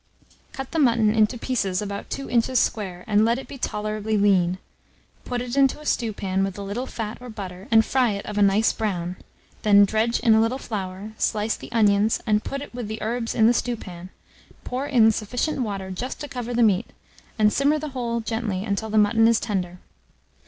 Cut the mutton into pieces about 2 inches square, and let it be tolerably lean; put it into a stewpan, with a little fat or butter, and fry it of a nice brown; then dredge in a little flour, slice the onions, and put it with the herbs in the stewpan; pour in sufficient water just to cover the meat, and simmer the whole gently until the mutton is tender.